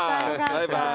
バイバイ。